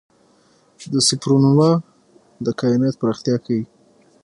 د سوپرنووا Ia د کائنات پراختیا ښيي.